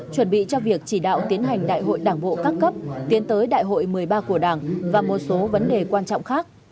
chuẩn bị cho việc chỉ đạo tiến hành đại hội đảng bộ các cấp tiến tới đại hội một mươi ba của đảng và một số vấn đề quan trọng khác